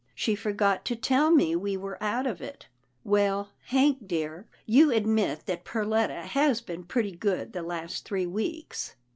She forgot to tell me we were out of it — Well, Hank dear, you admit that Perletta has been pretty good the last three weeks."